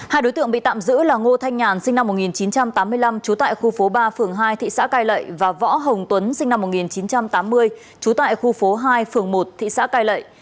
hai đối tượng bị tạm giữ là ngô thanh nhàn sinh năm một nghìn chín trăm tám mươi năm trú tại khu phố ba phường hai thị xã cai lậy và võ hồng tuấn sinh năm một nghìn chín trăm tám mươi trú tại khu phố hai phường một thị xã cai lệ